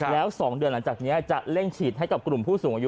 แล้ว๒เดือนหลังจากนี้จะเร่งฉีดให้กับกลุ่มผู้สูงอายุ